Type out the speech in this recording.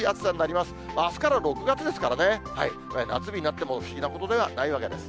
あすから６月ですからね、夏日になっても不思議なことではないわけです。